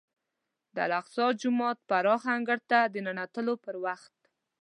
د الاقصی جومات پراخ انګړ ته د ننوتلو پر وخت.